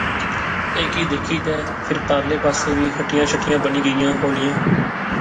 ایہہ کی دیکھی تہ فیر پارلے پاسے وی ہٹیاں شٹیاں بنی گئیاں ہولیاں